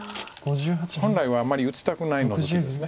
本来はあまり打ちたくないノゾキです。